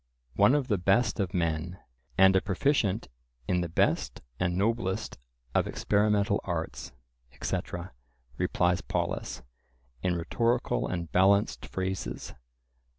"One of the best of men, and a proficient in the best and noblest of experimental arts," etc., replies Polus, in rhetorical and balanced phrases.